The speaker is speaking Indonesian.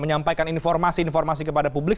menyampaikan informasi informasi kepada publik